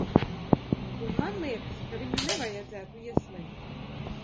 Un man liekas, ka viņu nevajadzētu ieslēgt!